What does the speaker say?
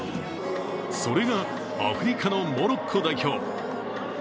それが、アフリカのモロッコ代表。